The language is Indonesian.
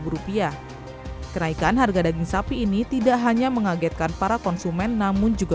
satu ratus tiga puluh rupiah kenaikan harga daging sapi ini tidak hanya mengagetkan para konsumen namun juga